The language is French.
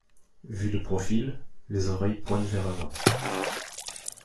Vues de profil, les oreilles pointent vers l'avant.